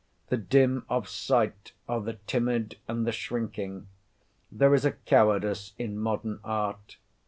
The dim of sight are the timid and the shrinking. There is a cowardice in modern art.